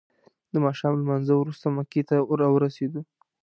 د ماښام له لمانځه وروسته مکې ته راورسیدو.